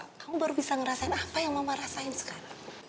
kamu baru bisa ngerasain apa yang mama rasain sekarang